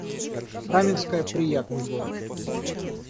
Раменское — приятный город